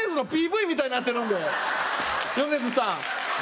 米津さん。